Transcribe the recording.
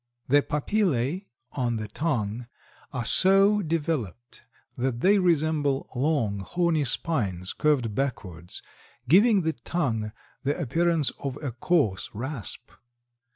The papillæ on the tongue are so developed that they resemble long, horny spines curved backwards, giving the tongue the appearance of a coarse rasp.